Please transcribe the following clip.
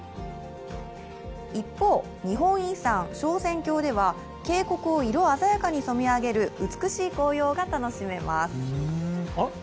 一方、日本遺産・昇仙峡では、渓谷を色鮮やかに染め上げる美しい紅葉が楽しめます。